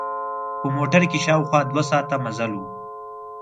په موټر کې شاوخوا دوه ساعته مزل و.